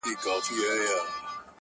د زنې خال دې د لار ورکو لارښوونکی گراني-